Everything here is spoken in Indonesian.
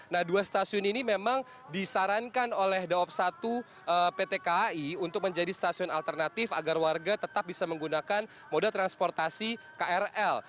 nah dua stasiun ini memang disarankan oleh daob satu pt kai untuk menjadi stasiun alternatif agar warga tetap bisa menggunakan moda transportasi krl